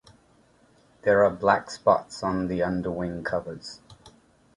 There are black spots on the underwing covers.